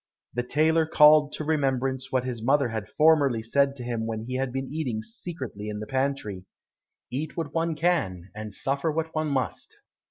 The tailor called to remembrance what his mother had formerly said to him when he had been eating secretly in the pantry. "Eat what one can, and suffer what one must."